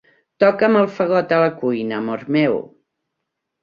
Toca'm el fagot a la cuina, amor meu.